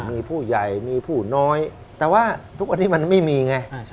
มีผู้ใหญ่มีผู้น้อยแต่ว่าทุกวันนี้มันไม่มีไง